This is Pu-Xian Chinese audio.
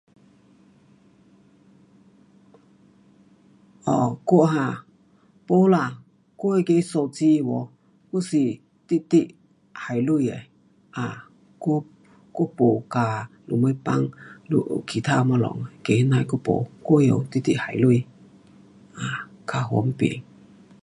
um 我哈，没啦，我那个手机有哦，还是直直还钱的，啊我，我没嘎什么放 um 其他东西，个呐我没，我用直直还钱的。um 较方便